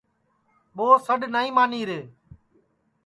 ٻو سڈؔ نائی مانی رے